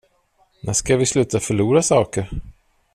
När ska vi sluta förlora saker?